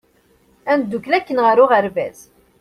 Ad ndukkel akken ɣer uɣeṛbaz!